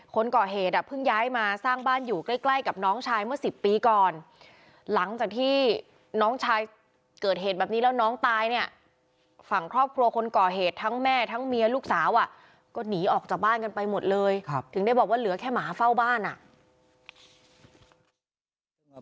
คนก่อเหตุอ่ะเพิ่งย้ายมาสร้างบ้านอยู่ใกล้ใกล้กับน้องชายเมื่อ๑๐ปีก่อนหลังจากที่น้องชายเกิดเหตุแบบนี้แล้วน้องตายเนี่ยฝั่งครอบครัวคนก่อเหตุทั้งแม่ทั้งเมียลูกสาวอ่ะก็หนีออกจากบ้านกันไปหมดเลยถึงได้บอกว่าเหลือแค่หมาเฝ้าบ้านอ่ะ